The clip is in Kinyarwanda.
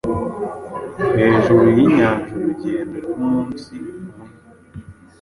Hejuru yinyanjaurugendo rwumunsi umwe